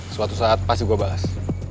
suatu saat pasti gue balas